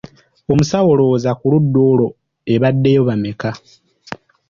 Omusawo, olowooza ku ludda olwo ebaddeyo bameka?